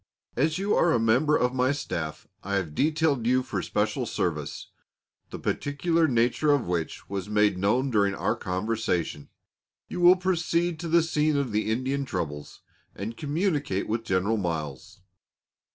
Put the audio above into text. As you are a member of my Staff, I have detailed you for special service; the particular nature of which, was made known during our conversation. You will proceed to the scene of the Indian troubles, and communicate with General Miles.